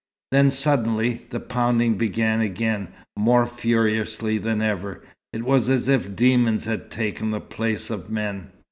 Then, suddenly, the pounding began again, more furiously than ever. It was as if demons had taken the place of men.